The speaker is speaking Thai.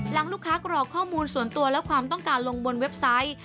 หลังลูกค้ากรอกข้อมูลส่วนตัวและความต้องการลงบนเว็บไซต์